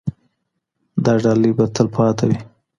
دا ډالۍ به تل پاتې وي.